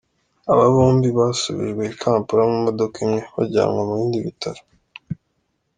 Aba bombi basubijwe i Kampala mu modoka imwe bajyanwa mu bindi bitaro.